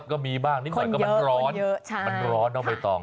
ก็มีบ้างนิดหน่อยมันร้อน